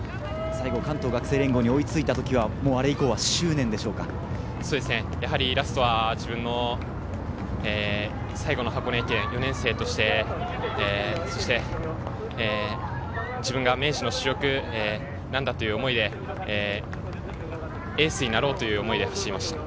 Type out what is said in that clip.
関東学生連合に追いついたとき、あれ以降はラストは最後の箱根駅伝、４年生として自分が明治の主力なんだという思いでエースになろうという思いで走りました。